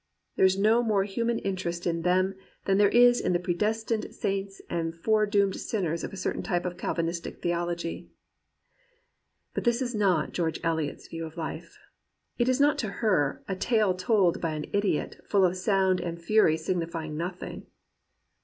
There is no more human interest in them than there is in the predestined saints and foredoomed sinners of a certain type of Calvinistic theology. But this is not George Eliot's view of Kfe. It is not to her "a tale told by an idiot, full of sound and fury signifying nothing."